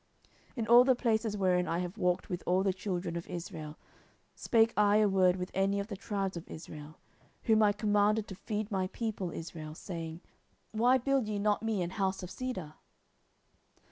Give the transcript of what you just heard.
10:007:007 In all the places wherein I have walked with all the children of Israel spake I a word with any of the tribes of Israel, whom I commanded to feed my people Israel, saying, Why build ye not me an house of cedar?